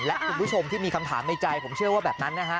และคุณผู้ชมที่มีคำถามในใจผมเชื่อว่าแบบนั้นนะฮะ